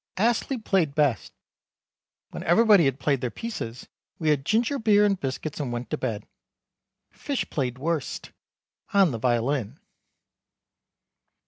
Astley played best. When everybody had played their pieces we had ginger beer and biscuits and went to bed. Fish played worst (on the violin).